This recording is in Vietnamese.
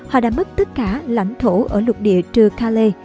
họ đã mất tất cả lãnh thổ ở lục địa trừ kale